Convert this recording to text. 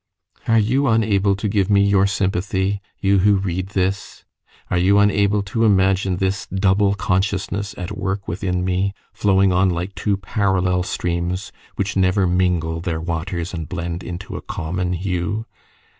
Are you unable to give me your sympathy you who read this? Are you unable to imagine this double consciousness at work within me, flowing on like two parallel streams which never mingle their waters and blend into a common hue?